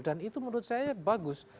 dan itu menurut saya bagus